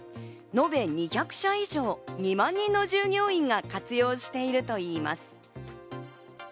延べ２００社以上、２万人の従業員が活用しているといいます。